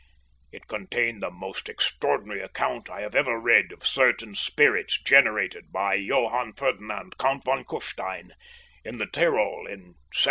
It contained the most extraordinary account I have ever read of certain spirits generated by Johann Ferdinand, Count von Küffstein, in the Tyrol, in 1775.